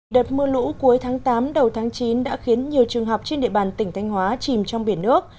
đợt mưa lũ cuối tháng tám đầu tháng chín đã khiến nhiều trường học trên địa bàn tỉnh thanh hóa chìm trong biển nước